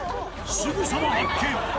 すぐさま発見。